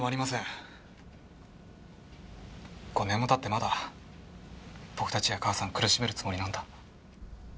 ５年も経ってまだ僕たちや母さんを苦しめるつもりなんだ。